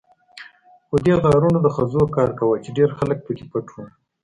خو دې غارونو د خزو کار کاوه، چې ډېر خلک پکې پټ وو.